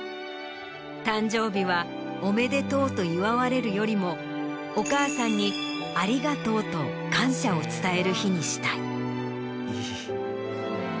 誕生日は「おめでとう」と祝われるよりもお母さんに「ありがとう」と感謝を伝える日にしたい。